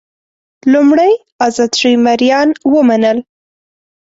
لومړی ازاد شوي مریان ومنل.